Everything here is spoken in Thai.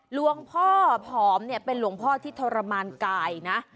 หลวงพ่อผอมเนี่ยเป็นหลวงพ่อที่ทรมานกายนะ